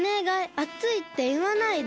あついっていわないで。